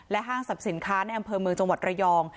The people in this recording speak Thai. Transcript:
ห้างสรรพสินค้าในอำเภอเมืองจังหวัดระยอง